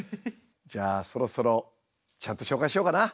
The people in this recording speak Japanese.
じゃあそろそろちゃんと紹介しようかな？